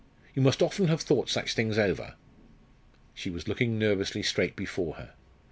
You must often have thought such things over." She was looking nervously straight before her.